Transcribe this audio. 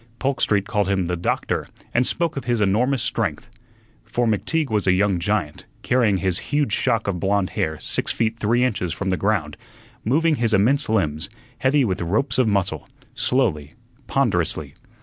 Polk Street called him the "Doctor" and spoke of his enormous strength. For McTeague was a young giant, carrying his huge shock of blond hair six feet three inches from the ground; moving his immense limbs, heavy with ropes of muscle, slowly, ponderously.